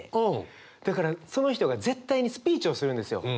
だからその人が絶対にスピーチをするんですよ。